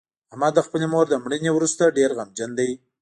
احمد د خپلې مور د مړینې نه ورسته ډېر غمجن دی.